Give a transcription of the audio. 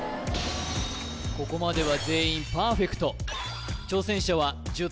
ここまでは全員パーフェクト挑戦者は１０